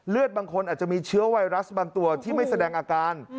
บางคนอาจจะมีเชื้อไวรัสบางตัวที่ไม่แสดงอาการ